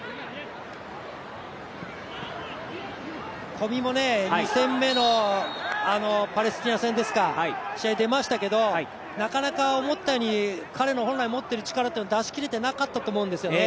小見も２戦目のパレスチナ戦ですか試合、出ましたけどなかなか思ったように彼の本来持っている力っていうのを出し切れてなかったと思うんですね。